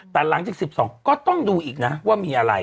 แต่หลังจาก๑๒ก็ต้องดูอีกนะว่ามีอะไร